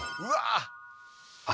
うわ。